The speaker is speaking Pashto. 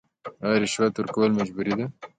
آیا رشوت ورکول مجبوري ده؟